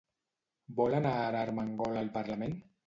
Vol anar ara Armengol al Parlament?